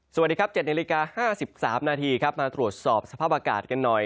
สวัสดีครับ๗นาฬิกา๕๓นาทีครับมาตรวจสอบสภาพอากาศกันหน่อย